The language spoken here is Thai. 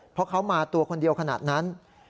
เพราะเขามาตัวคนเดียวขนาดนั้น